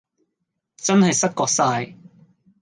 真係失覺哂